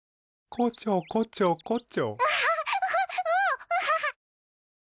こちょこちょこちょ。